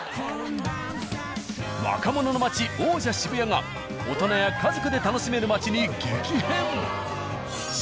若者の街王者・渋谷が大人や家族で楽しめる街に激変。